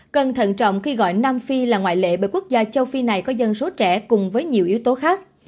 cần thận trọng khi gọi nam phi là ngoại lệ bởi quốc gia châu phi này có dân số trẻ cùng với nhiều yếu tố khác